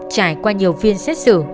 trải qua nhiều phiên xét xử